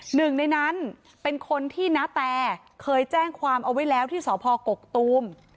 หนึ่งในนั้นเป็นคนที่ณแตเคยแจ้งความเอาไว้แล้วที่สพกกตูม